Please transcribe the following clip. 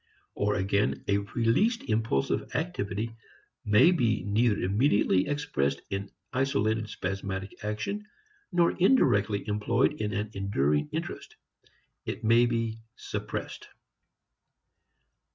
Or again a released impulsive activity may be neither immediately expressed in isolated spasmodic action, nor indirectly employed in an enduring interest. It may be "suppressed."